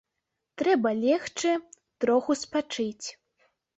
Трэба легчы, троху спачыць.